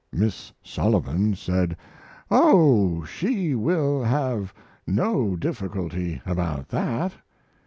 Miss Sullivan said, "Oh, she will have no difficulty about that."